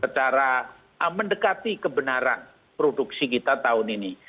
secara mendekati kebenaran produksi kita tahun ini